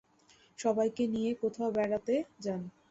সবাইকে নিয়ে কোথাও বেড়াতে যান।